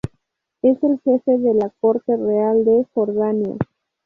Es el jefe de la Corte Real de Jordania.